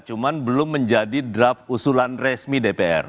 cuma belum menjadi draft usulan resmi dpr